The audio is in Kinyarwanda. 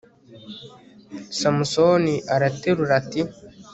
samusoni araterura ati